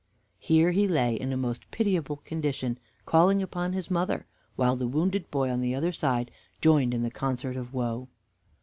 Here he lay in a most pitiable condition, calling upon his mother, while the wounded boy on the other side joined in the concert of woe.